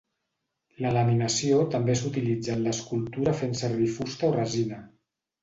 La laminació també s'utilitza en l'escultura fent servir fusta o resina.